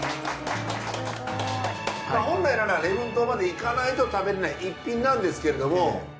本来なら礼文島まで行かないと食べられない逸品なんですけれども。